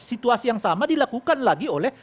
situasi yang sama dilakukan lagi oleh